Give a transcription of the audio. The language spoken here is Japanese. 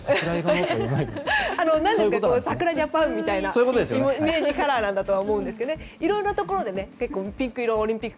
ジャパンみたいなイメージカラーだと思いますがいろいろなところでピンク色オリンピック